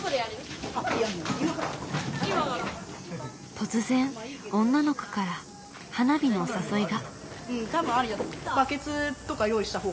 突然女の子から花火のお誘いが。